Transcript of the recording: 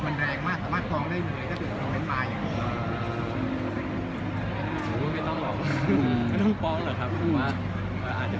มันขอให้คนพรุ่งนี้เลยคิดหน่อยเพราะว่า